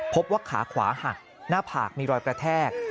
พบว่าขาขวาหักหน้าผากมีรอยกระแทก